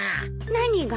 何が？